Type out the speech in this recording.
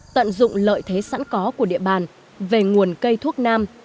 tận dụng lợi thế sẵn có của địa bàn về nguồn cây thuốc nam